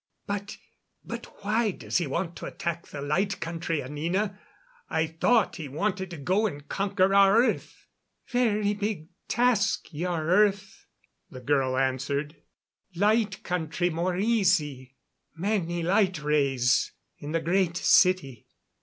"But but why does he want to attack the Light Country, Anina? I thought he wanted to go and conquer our earth." "Very big task your earth," the girl answered. "Light Country more easy. Many light rays in the Great City.